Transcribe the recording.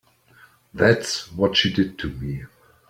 That's what she did to me.